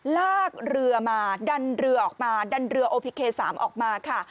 ลากเรือมาดันเรือออกมาดันเรือโอพิเค๓ออกมาค่ะ